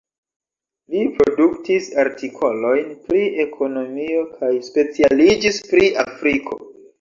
Li produktis artikolojn pri ekonomio kaj specialiĝis pri Afriko.